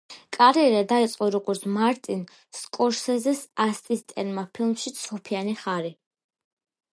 კარიერა დაიწყო როგორც მარტინ სკორსეზეს ასისტენტმა ფილმში „ცოფიანი ხარი“.